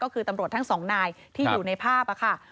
ก็คือตำรวจทั้งสองนายที่อยู่ในภาพค่ะ